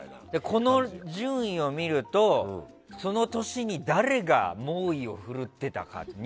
この順位を見ると、その年に誰が猛威を振るっていたか。